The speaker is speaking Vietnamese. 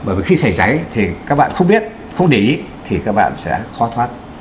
bởi vì khi xảy cháy thì các bạn không biết không để ý thì các bạn sẽ khó thoát